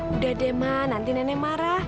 udah deh mah nanti nenek marah